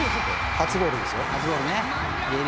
初ゴールですよ。